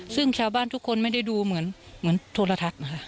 ซึ่งชาวบ้านทุกคนไม่ได้ดูเหมือนโทรทัศน์นะคะ